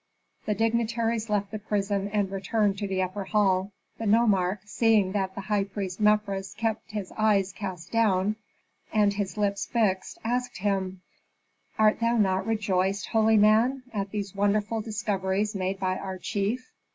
The dignitaries left the prison and returned to the upper hall. The nomarch, seeing that the high priest Mefres kept his eyes cast down and his lips fixed, asked him, "Art thou not rejoiced, holy man, at these wonderful discoveries made by our chief?"